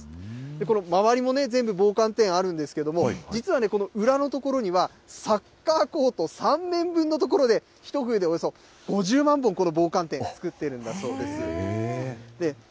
この周りも全部棒寒天あるんですけれども、実はこの裏の所には、サッカーコート３面分の所で、５０万本、この棒寒天、作っているんだそうです。